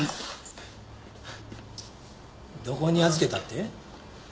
どこに預けたって？